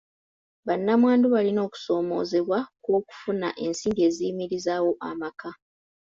Bannamwandu balina okusoomoozebwa kw'okufuna ensimbi eziyimirizaawo amaka.